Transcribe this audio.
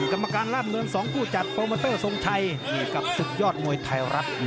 กรรมการราชดำเนิน๒คู่จัดโปรเมอเตอร์ทรงไทยกับศึกยอดมวยไทยรัฐ